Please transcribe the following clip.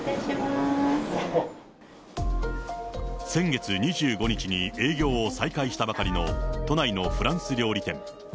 先月２５日に営業を再開したばかりの都内のフランス料理店。